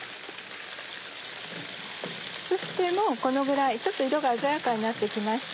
そしてもうこのぐらい色が鮮やかになって来ました。